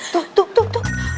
tuh tuh tuh